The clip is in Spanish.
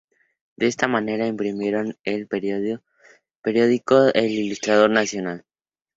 De esta manera imprimieron el periódico "El Ilustrador Nacional".